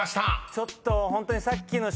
ちょっとホントに。